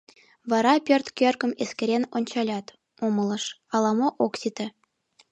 Вара пӧрт кӧргым эскерен ончалят, умылыш: ала-мо ок сите.